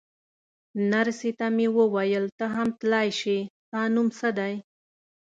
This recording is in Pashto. نرسې ته مې وویل: ته هم تلای شې، ستا نوم څه دی؟